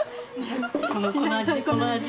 この味この味。